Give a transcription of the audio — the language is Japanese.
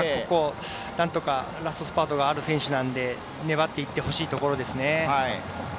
なんとかラストスパートがある選手なので粘ってほしい選手ですね。